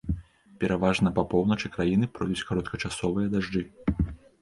Пераважна па поўначы краіны пройдуць кароткачасовыя дажджы.